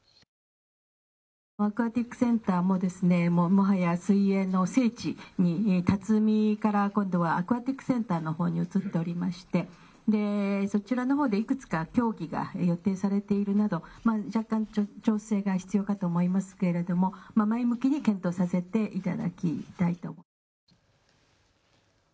アクアティクスセンターももはや水泳の聖地、辰己からアクアティクスセンターのほうに移っておりましてそちらのほうでいくつか競技が予定されているなど若干調整が必要かと思いますけれども前向きに検討させていただきたいと思います。